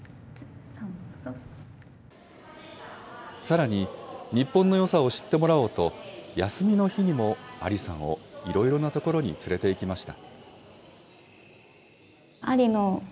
さらに、日本のよさを知ってもらおうと、休みの日にもアリさんをいろいろな所に連れていきました。